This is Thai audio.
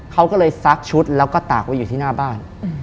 เขาก็เลยซักชุดแล้วก็ตากไว้อยู่ที่หน้าบ้าน